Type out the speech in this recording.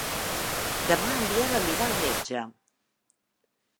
Demà en Biel anirà al metge.